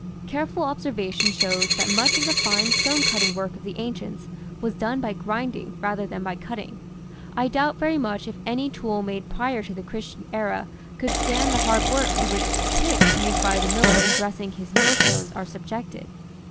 Careful observation shows that much of the fine stone cutting work of the ancients was done by grinding rather than by cutting. I doubt very much if any tool made prior to the Christian era could stand the hard work to which the picks used by the miller in dressing his mill stones are subjected.